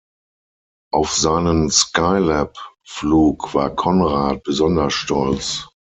Auf seinen Skylab-Flug war Conrad besonders stolz.